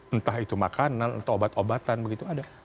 entah itu makanan atau obat obatan begitu ada